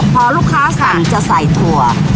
พอลูกค้าสั่งจะใส่ถั่ว